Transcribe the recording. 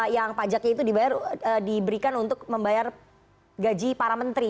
yang pajaknya itu diberikan untuk membayar gaji para menteri